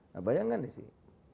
nah bayangkan sih